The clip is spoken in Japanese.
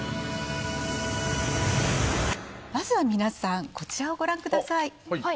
まずは皆さん、こちらをご覧ください。